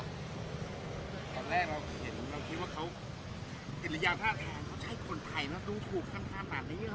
ตอนแรกเราคิดว่าเขาเดรียวภาษาแทนก็ใช่คนไทยนะ